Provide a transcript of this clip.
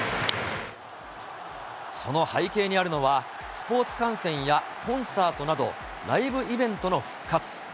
その背景にあるのは、スポーツ観戦やコンサートなど、ライブイベントの復活。